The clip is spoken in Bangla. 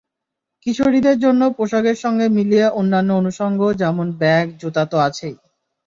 কিশোরীদের জন্য পোশাকের সঙ্গে মিলিয়ে অন্যান্য অনুষঙ্গ যেমন ব্যাগ, জুতা তো আছেই।